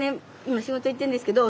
今仕事行ってるんですけど。